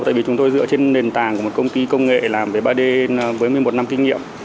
tại vì chúng tôi dựa trên nền tảng của một công ty công nghệ làm về ba d với một mươi một năm kinh nghiệm